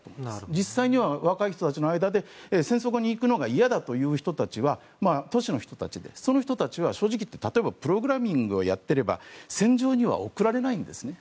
実際には若い人たちの間で戦争に行くのが嫌だという人たちは都市の人たちでその人たちは正直言って、例えばプログラミングをやっていれば戦場には送られないんですね。